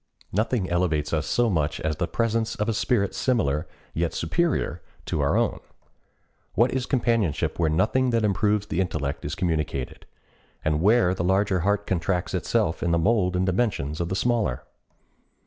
Nothing elevates us so much as the presence of a spirit similar, yet superior, to our own. What is companionship where nothing that improves the intellect is communicated, and where the larger heart contracts itself to the mold and dimensions of the smaller?